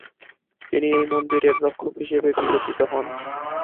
তিনি সেই মন্দিরের রক্ষক হিসেবে বিবেচিত হন।